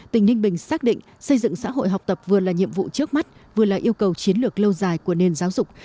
tỉnh ninh bình xác định xây dựng xã hội học tập vừa là nhiệm vụ trước mắt vừa là yêu cầu chiến lược lâu dài của nền giáo dục